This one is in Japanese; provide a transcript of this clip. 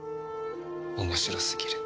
面白すぎる。